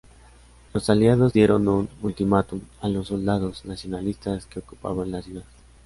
Los Aliados dieron un ultimátum a los soldados nacionalistas que ocupaban la ciudad.